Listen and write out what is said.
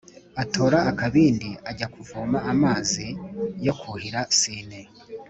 atora akabindi, ajya kuvoma amazi yo kuhira sine.